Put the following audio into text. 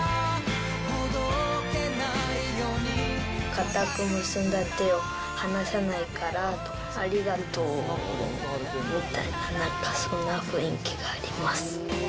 固く結んだ手を離さないからとか、ありがとうみたいな、なんかそんな雰囲気があります。